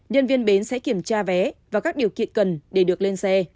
nhân viên bến sẽ kiểm tra vé và các điều kiện cần để được lên xe